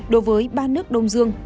đối với ba nước đông dương